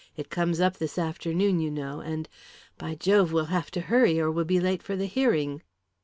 It comes up this afternoon, you know and, by Jove! we'll have to hurry, or we'll be late for the hearing."